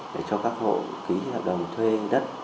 để cho các hộ ký hợp đồng thuê đất